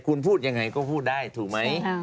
คุณพูดยังไงก็พูดได้ถูกไหม